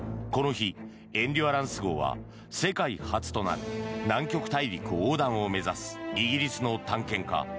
この日「エンデュアランス号」は世界初となる南極大陸横断を目指すイギリスの探検家